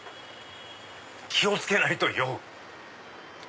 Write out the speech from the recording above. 気を付けないと酔う。